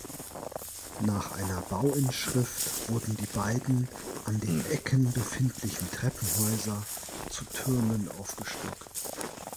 Nach einer Bauinschrift wurden die beiden an den Ecken befindlichen Treppenhäuser zu Türmen aufgestockt.